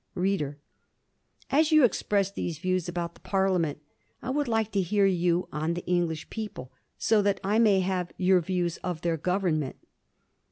READER: As you express these views about the Parliament, I would like to hear you on the English people, so that I may have your views of their Government.